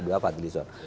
dua fadli zon